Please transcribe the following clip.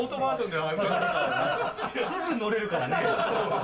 すぐ乗れるからね。